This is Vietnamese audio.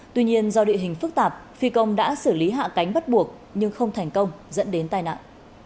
tuy nhiên do địa hình phức tạp phi công đã xử lý hạ cánh bắt buộc nhưng không thành công dẫn đến tai nạn